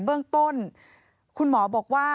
พ่อพูดว่าพ่อพูดว่าพ่อพูดว่า